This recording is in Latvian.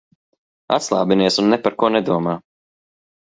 Atslābinies un ne par ko nedomā.